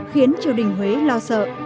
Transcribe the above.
khiến triều đình huế lo sợ